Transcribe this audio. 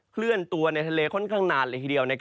เคลื่อนตัวในทะเลค่อนข้างนานเลยทีเดียว